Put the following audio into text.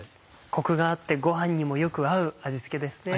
コクがあってご飯にもよく合う味付けですね。